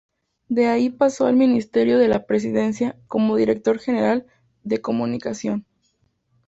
De ahí pasó al Ministerio de la Presidencia como Director General de Comunicación.